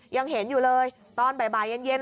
ยังเห็นอยู่เลยตอนบ่ายเย็น